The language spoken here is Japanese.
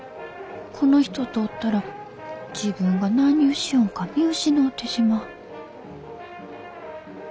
この人とおったら自分が何ゅうしょんか見失うてしまう。